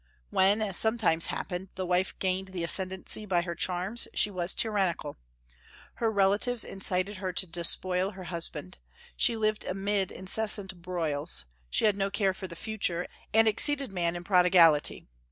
When, as sometimes happened, the wife gained the ascendency by her charms, she was tyrannical; her relatives incited her to despoil her husband; she lived amid incessant broils; she had no care for the future, and exceeded man in prodigality.